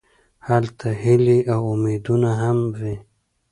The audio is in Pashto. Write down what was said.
هلته هیلې او امیدونه هم وي.